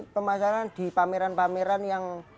pemasaran di pameran pameran yang